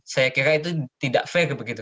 saya kira itu tidak fair begitu